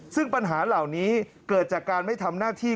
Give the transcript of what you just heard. ซึ่งปัญหาเหล่านี้เกิดจากการไม่ทำหน้าที่